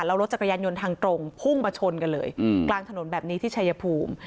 แล้วรถจักรยานยนต์ทางตรงพุ่งมาชนกันเลยกลางถนนแบบนี้ที่ชายภูมิ